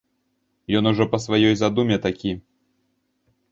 Ён ужо па сваёй задуме такі.